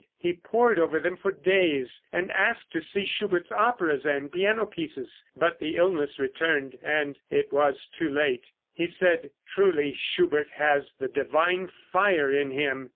He pored over them for days, and asked to see Schubert's operas and piano pieces, but the illness returned, and it was too late. He said "Truly Schubert has the divine fire in him."